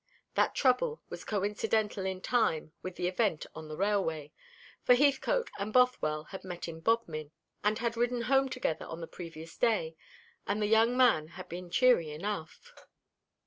That trouble was coincidental in time with the event on the railway; for Heathcote and Bothwell had met in Bodmin, and had ridden home together on the previous day, and the young man had been cheery enough.